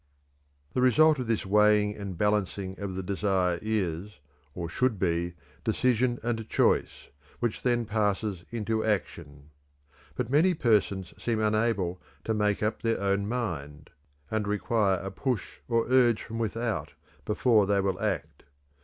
The result of this weighing and balancing of the desire is, or should be, decision and choice, which then passes into action. But many persons seem unable to "make up their own mind," and require a push or urge from without before they will act.